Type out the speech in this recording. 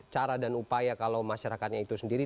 cara dan upaya kalau masyarakatnya itu sendiri